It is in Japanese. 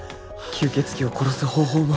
吸血鬼を殺す方法も